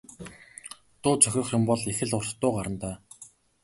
Дуу зохиох юм бол их л урт дуу гарна даа.